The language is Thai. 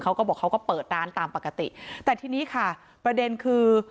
เขาก็บอกเขาก็เปิดร้านตามปกติแต่ทีนี้ค่ะประเด็นคือ